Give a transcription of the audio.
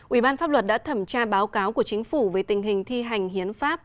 ủy ban pháp luật đã thẩm tra báo cáo của chính phủ về tình hình thi hành hiến pháp